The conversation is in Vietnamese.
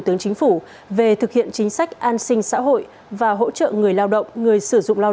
tướng chính phủ về thực hiện chính sách an sinh xã hội và hỗ trợ người lao động người sử dụng lao